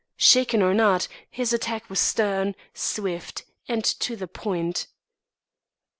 Shaken or not, his attack was stern, swift, and to the point.